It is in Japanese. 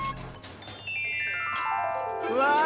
うわ！